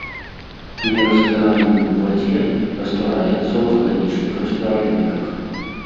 Нерастваральны ў вадзе, раствараецца ў арганічных растваральніках.